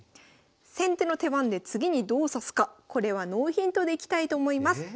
先手の手番で次にどう指すかこれはノーヒントでいきたいと思います。